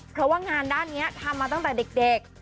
เพราะว่างานด้านนี้ทำมาตั้งแต่เด็ก